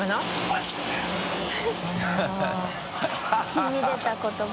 染み出た言葉。